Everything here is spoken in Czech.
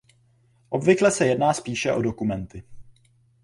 Obvykle se jedná spíše o dokumenty.